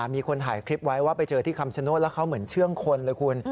มีคนถ่ายคลิปไว้ว่าไปเจอที่คำชโนธแล้วเขาเหมือนเชื่องคนเลยคุณ